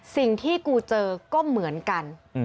สิ่งที่กูเจอก็เหมือนกัน